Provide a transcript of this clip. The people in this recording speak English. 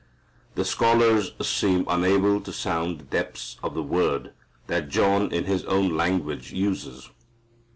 The scholars seem unable to sound the depths of the word that John in his own language uses.